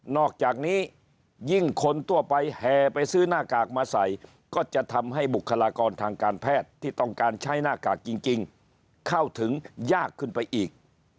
อกจากนี้ยิ่งคนทั่วไปแห่ไปซื้อหน้ากากมาใส่ก็จะทำให้บุคลากรทางการแพทย์ที่ต้องการใช้หน้ากากจริงเข้าถึงยากขึ้นไปอีก